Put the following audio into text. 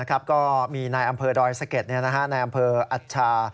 ก็มีนายอำเภอดอยสะเก็ดในอำเภออัชชา